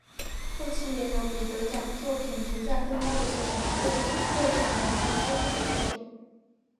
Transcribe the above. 后期也有比得奖作品评价更高的作品或落选引起争议的作品。